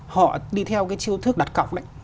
họ đi theo cái chiêu thức đặt cọc đấy